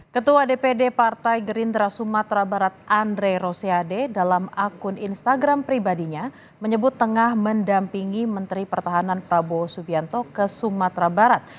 ketua dpd partai gerindra sumatera barat andre rosiade dalam akun instagram pribadinya menyebut tengah mendampingi menteri pertahanan prabowo subianto ke sumatera barat